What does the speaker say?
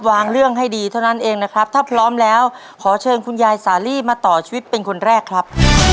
เรื่องให้ดีเท่านั้นเองนะครับถ้าพร้อมแล้วขอเชิญคุณยายสาลีมาต่อชีวิตเป็นคนแรกครับ